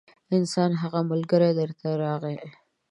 انسان د هغه ښه ملګري در ته راغلی